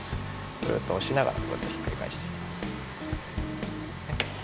ぐっとおしながらこうやってひっくりかえしていきます。